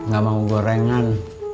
gak mau gorengan